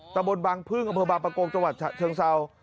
ตะบนบางพึ่งอำเภอบางประกงจังหวัดฉะเชิงเศร้า